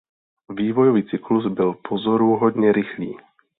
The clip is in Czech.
Vývojový cyklus byl pozoruhodně rychlý.